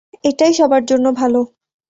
এটাই সবার জন্য ভালো।